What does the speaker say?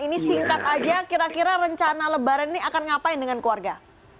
ini singkat aja kira kira rencana lebaran ini akan ngapain dengan keluarga